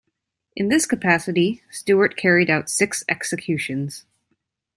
In this capacity, Stewart carried out six executions.